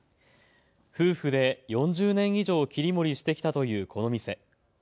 夫婦で４０年以上切り盛りしてきたというこの店。